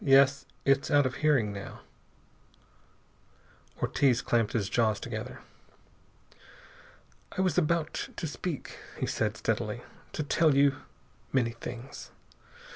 "Yes, It's out of hearing now." Ortiz clamped his jaws together. "I was about to speak," he said steadily, "to tell you many things.